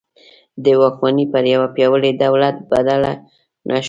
د واکمني پر یوه پیاوړي دولت بدله نه شوه.